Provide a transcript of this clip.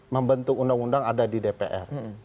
membentuk undang undang ada di dpr